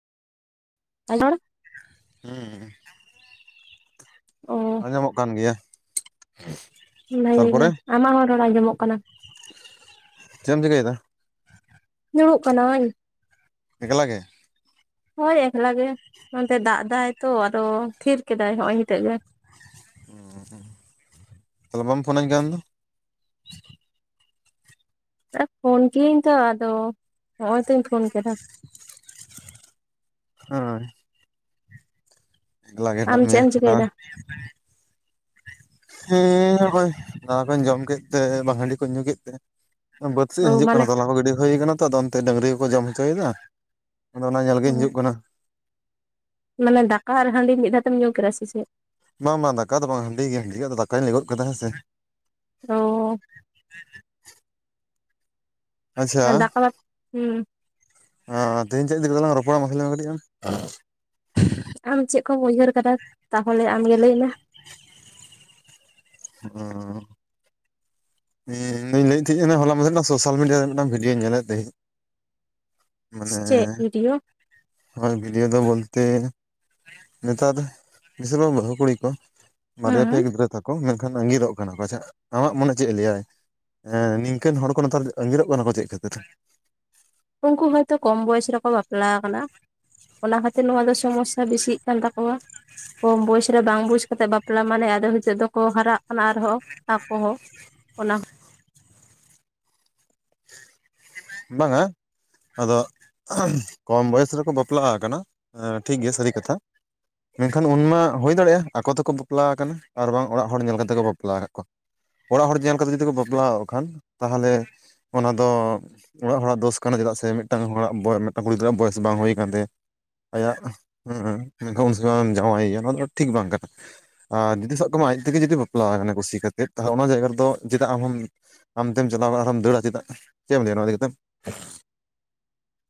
[unintelligible] ᱦᱩᱸ ᱚ ᱟᱸᱡᱚᱢᱚᱜ ᱠᱟᱱ ᱜᱮᱭᱟ [inaudible] ᱵᱷᱟᱹᱜᱤ ᱜᱮ ᱛᱟᱨᱯᱚᱨᱮ ᱟᱢᱟᱜ ᱦᱚᱸ ᱨᱚᱲ ᱟᱸᱡᱚᱢᱚᱜ ᱠᱟᱱᱟ ᱪᱮᱫ ᱮᱢ ᱪᱤᱠᱟᱹᱭ ᱫᱟ ᱫᱩᱲᱩᱜ ᱠᱟᱹᱱᱟᱹᱧ ᱮᱠᱞᱟ ᱜᱮ ᱦᱳᱭ ᱮᱠᱞᱟ ᱜᱮ ᱱᱚᱱᱛᱮ ᱫᱟᱜ ᱫᱟᱭ ᱛᱚ ᱟᱫᱚ ᱛᱷᱤᱨ ᱠᱮᱫᱟᱭ ᱦᱚᱸᱜᱼᱚᱭ ᱦᱤᱸᱛᱚᱜ ᱜᱮ ᱦᱩᱸ ᱦᱩᱸ ᱛᱟᱦᱚᱞᱮ ᱵᱟᱢ ᱯᱷᱳᱱᱟᱹᱧ ᱠᱟᱱ ᱫᱚ ᱯᱷᱳᱱ ᱠᱤᱭᱟᱹᱧ ᱛᱚ ᱟᱫᱚ ᱱᱚᱜᱼᱚᱭ ᱛᱚᱧ ᱯᱷᱳᱱ ᱠᱮᱫᱟ ᱦᱟᱸᱭ ᱮᱠᱞᱟ ᱜᱮ ᱟᱢ ᱦᱮᱱᱟᱜ ᱪᱮᱫ ᱢᱮᱭᱟ ᱮᱢ ᱱᱚᱣᱟ ᱪᱤᱠᱟᱹᱭᱮᱫᱟ ᱦᱮᱸ ᱵᱷᱟᱹᱭ ᱫᱟᱠᱟ ᱠᱚᱧ ᱡᱚᱢ ᱠᱮᱫ ᱛᱮ ᱵᱟᱝ ᱦᱟᱺᱰᱤ ᱠᱚᱧ ᱧᱩ ᱠᱮᱫ ᱛᱮ ᱵᱟᱹᱫᱽ ᱥᱮᱜ ᱚ ᱤᱧ ᱦᱤᱡᱩᱜ ᱢᱟᱱᱮ ᱠᱟᱱᱟ ᱛᱚᱞᱟ ᱠᱚ ᱜᱤᱰᱤ ᱦᱩᱭ ᱠᱟᱱᱟ ᱛᱚ ᱟᱫᱚ ᱚᱱᱛᱮ ᱰᱟᱹᱝᱨᱤ ᱦᱚᱸ ᱠᱚ ᱡᱚᱢ ᱦᱚᱪᱚᱭᱮᱫᱟ ᱟᱫᱚ ᱚᱱᱟ ᱧᱮᱞ ᱜᱤᱧ ᱦᱤᱡᱩᱜ ᱠᱟᱱᱟ ᱢᱟᱱᱮ ᱫᱟᱠᱟ ᱟᱨ ᱦᱟᱺᱰᱤ ᱢᱤᱫ ᱫᱷᱟᱣ ᱛᱮᱢ ᱧᱩ ᱠᱮᱫᱟ ᱥᱮ ᱪᱮᱫ ᱵᱟᱝ ᱵᱟᱝ ᱫᱟᱠᱟ ᱫᱚ ᱵᱟᱝ ᱦᱟᱺᱰᱤ ᱜᱮ ᱦᱟᱺᱰᱤ ᱫᱚ ᱫᱟᱠᱟᱧ ᱞᱟᱹᱭ ᱜᱚᱫ ᱠᱟᱫᱟ ᱦᱮᱸ ᱥᱮ ᱚᱸᱻ ᱟᱪᱪᱷᱟ ᱫᱟᱠᱟ ᱵᱟᱫ ᱦᱩᱸ ᱟᱸ ᱛᱮᱦᱮᱧ ᱪᱮᱫ ᱤᱫᱤ ᱠᱟᱛᱮ ᱞᱟᱝ ᱨᱚᱯᱚᱲᱟ ᱢᱟᱥᱮ ᱞᱟᱹᱭ ᱢᱮ ᱠᱟᱹᱴᱤᱡ ᱟᱢ ᱟᱢ ᱪᱮᱫ ᱠᱚᱢ ᱩᱭᱦᱟᱹᱨ ᱠᱟᱫᱟ ᱛᱟᱦᱚᱞᱮ ᱟᱢᱜᱮ ᱞᱟᱹᱭ ᱢᱮ [inaudible] ᱤᱧ ᱫᱚᱧ ᱞᱟᱹᱭᱮᱫ ᱛᱟᱦᱮᱸ ᱦᱚᱞᱟ ᱢᱟᱸᱫᱷᱮᱨ ᱨᱮᱱᱟᱜ ᱥᱳᱥᱟᱞ ᱢᱤᱰᱤᱭᱟ ᱨᱮ ᱢᱤᱫᱴᱟᱝ ᱵᱷᱤᱰᱤᱭᱚ ᱧᱮᱞᱮᱫ ᱛᱟᱦᱮᱸ ᱤᱧ ᱥᱮ ᱪᱮᱫ ᱵᱷᱤᱰᱤᱭᱚ ᱦᱳᱭ ᱵᱷᱤᱰᱤᱭᱚ ᱫᱚ ᱵᱚᱞᱛᱮ ᱱᱮᱛᱟᱨ ᱫᱚ ᱢᱤᱥᱤᱢᱟᱢ ᱵᱟᱹᱦᱩ ᱠᱩᱲᱤ ᱠᱚ ᱵᱟᱨᱭᱟ ᱦᱩᱸ ᱯᱮᱭᱟ ᱜᱤᱫᱽᱨᱟᱹ ᱛᱟᱠᱚ ᱢᱮᱱᱠᱷᱟᱱ ᱟᱸᱜᱤᱨᱚᱜ ᱠᱟᱱᱟ ᱠᱚ ᱟᱪᱪᱷᱟ ᱟᱢᱟᱜ ᱢᱚᱱᱮ ᱪᱮᱫ ᱮ ᱞᱟᱹᱭᱟᱭ ᱦᱮᱸ ᱱᱤᱝᱠᱟᱹᱱ ᱦᱚᱲ ᱠᱚ ᱱᱮᱛᱟᱨ ᱟᱸᱜᱤᱨᱚᱜ ᱠᱟᱱᱟ ᱠᱚ ᱪᱮᱫ ᱠᱷᱟᱹᱛᱤᱨ ᱩᱱᱠᱩ ᱦᱚᱭᱛᱚ ᱠᱚᱢ ᱵᱚᱭᱮᱥ ᱨᱮᱠᱚ ᱵᱟᱯᱞᱟ ᱟᱠᱟᱱᱟ ᱚᱱᱟ ᱠᱷᱟᱹᱛᱤᱨ ᱱᱚᱣᱟ ᱫᱚ ᱥᱚᱢᱚᱥᱭᱟ ᱵᱤᱥᱤᱜ ᱠᱟᱱ ᱛᱟᱠᱚᱣᱟ ᱠᱚᱢ ᱵᱚᱭᱮᱥ ᱨᱮ ᱵᱟᱝ ᱵᱩᱡᱽ ᱠᱟᱛᱮᱫ ᱵᱟᱯᱞᱟ ᱢᱟᱱᱮ ᱟᱫᱚ ᱦᱤᱸᱛᱚᱜ ᱫᱚᱠᱚ ᱦᱟᱨᱟᱜ ᱠᱟᱱᱟ ᱟᱨᱦᱚᱸ ᱟᱠᱚ ᱦᱚᱸ ᱚᱱᱟ ᱵᱟᱝᱼᱟ ᱟᱫᱚ ᱠᱚᱢ ᱵᱚᱭᱮᱥ ᱨᱮᱠᱚ ᱵᱟᱯᱞᱟ ᱟᱠᱟᱱᱟ ᱴᱷᱤᱠ ᱜᱮᱭᱟ ᱥᱟᱹᱨᱤ ᱠᱟᱛᱷᱟ ᱢᱮᱱᱠᱷᱟᱱ ᱩᱱᱢᱟ ᱦᱩᱭ ᱫᱟᱲᱮᱭᱟᱜᱼᱟ ᱟᱠᱚ ᱛᱮᱠᱚ ᱵᱟᱯᱞᱟ ᱟᱠᱟᱱᱟ ᱟᱨ ᱵᱟᱝ ᱚᱲᱟᱜ ᱦᱚᱲ ᱧᱮᱞ ᱠᱟᱛᱮ ᱠᱚ ᱵᱟᱯᱞᱟ ᱟᱠᱟᱫ ᱠᱚᱣᱟ ᱚᱲᱟᱜ ᱦᱚᱲ ᱧᱮᱞ ᱠᱟᱛᱮ ᱡᱩᱫᱤ ᱠᱚ ᱵᱟᱯᱞᱟ ᱚᱜ ᱠᱷᱟᱱ ᱛᱟᱦᱮᱞᱮ ᱚᱱᱟ ᱫᱚ ᱚᱲᱟᱜ ᱦᱚᱲᱟᱜ ᱫᱚᱥ ᱠᱟᱱᱟ ᱪᱮᱫᱟᱜ ᱥᱮ ᱢᱤᱫᱴᱟᱝ ᱦᱚᱲᱟᱜ ‌ᱵᱚᱭ ᱢᱤᱫᱴᱟᱝ ᱠᱩᱲᱤ ᱜᱤᱫᱽᱨᱟᱹᱣᱟᱜ ᱵᱚᱭᱮᱥ ᱵᱟᱝ ᱦᱩᱭ ᱟᱠᱟᱱ ᱛᱟᱭᱟ ᱟᱭᱟᱜ ᱦᱮᱸ ᱮᱱᱠᱷᱟᱱ ᱩᱱ ᱥᱚᱢᱚᱭ ᱮᱢ ᱡᱟᱶᱟᱭᱮᱭᱟ ᱚᱱᱟ ᱫᱚ ᱴᱷᱤᱠ ᱵᱟᱝ ᱠᱟᱱᱟ ᱟᱨ ᱡᱩᱫᱤ ᱥᱟᱵ ᱠᱟᱢᱟᱭ ᱟᱡ ᱛᱮᱜᱮ ᱡᱩᱫᱤ ᱵᱟᱯᱞᱟ ᱟᱠᱟᱱᱟᱭ ᱠᱩᱥᱤ ᱠᱟᱛᱮᱫ ᱛᱟᱦᱚ ᱚᱱᱟ ᱡᱟᱭᱜᱟ ᱨᱮᱫᱚ ᱪᱮᱫᱟᱜ ᱟᱢ ᱦᱚᱢ ᱟᱢ ᱛᱮᱢ ᱪᱟᱞᱟᱣ ᱠᱟᱱᱟ ᱟᱨ ᱦᱚᱢ ᱫᱟᱹᱲᱟ ᱪᱮᱫᱟᱜ ᱪᱮᱫ ᱮᱢ ᱞᱟᱹᱭᱟᱹ ᱱᱚᱣᱟ ᱤᱫᱤ ᱠᱟᱛᱮᱜ